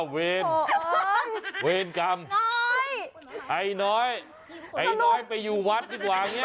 คุณโน้ยหายจ้อน้อยไอ้น้อยไปอยู่วัดดีกว่านี้